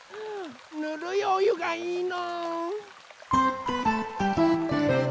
ぬるいおゆがいいの。